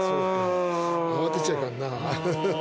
慌てちゃいかんな。